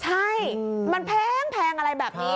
ใช่มันแพงอะไรแบบนี้